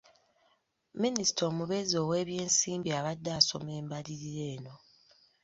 Minisita omubeezi ow’ebyensimbi abadde asoma embalirira eno.